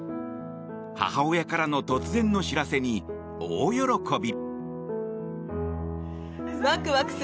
母親からの突然の知らせに大喜び。